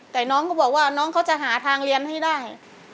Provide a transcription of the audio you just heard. แต่น้องก็บอกว่าน้องเขาจะหาทางเรียนให้ได้